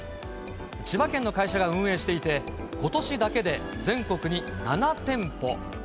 千葉県の会社が運営していて、ことしだけで全国に７店舗。